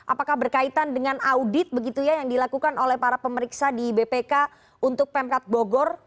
apakah berkaitan dengan audit begitu ya yang dilakukan oleh para pemeriksa di bpk untuk pemkat bogor